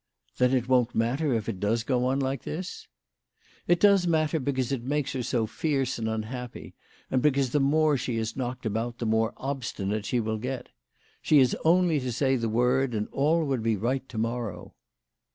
" Then it won't matter if it does go on like this?" " It does matter because it makes her so fierce and unhappy, and because the more she is knocked about the more obstinate she will get. She has only to say the word, and all would be right to morrow."